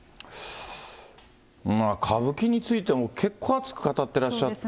まあ、歌舞伎についても結構熱く語ってらっしゃって。